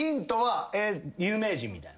有名人みたいな？